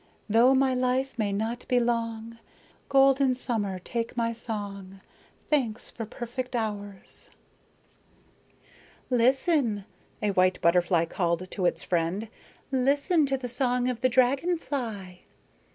Though my life may not be long, Golden summer, take my song! Thanks for perfect hours! "Listen!" a white butterfly called to its friend. "Listen to the song of the dragon fly."